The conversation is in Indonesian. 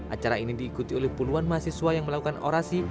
acara ini diikuti oleh puluhan mahasiswa yang melakukan orasi